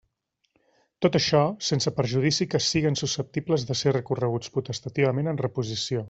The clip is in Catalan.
Tot això, sense perjudici que siguen susceptibles de ser recorreguts potestativament en reposició.